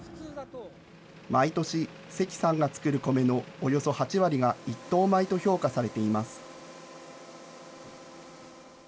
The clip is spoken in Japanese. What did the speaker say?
毎年、関さんが作るコメのおよそ８割が１等米と評価されています。